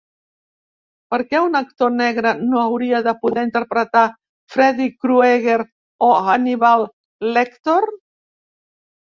Per què un actor negre no hauria de poder interpretar Freddy Krueger o Hannibal Lector?